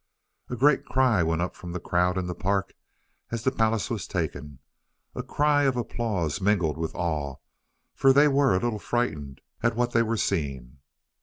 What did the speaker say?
A great cry went up from the crowd in the park as the palace was taken a cry of applause mingled with awe, for they were a little frightened at what they were seeing.